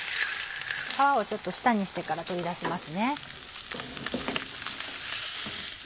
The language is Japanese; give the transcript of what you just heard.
皮をちょっと下にしてから取り出しますね。